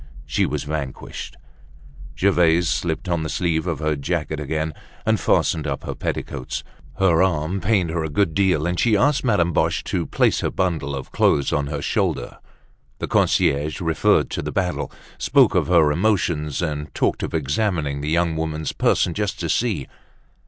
She was vanquished. Gervaise slipped on the sleeve of her jacket again, and fastened up her petticoats. Her arm pained her a good deal, and she asked Madame Boche to place her bundle of clothes on her shoulder. The concierge referred to the battle, spoke of her emotions, and talked of examining the young woman's person, just to see.